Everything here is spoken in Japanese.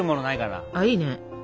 あいいね。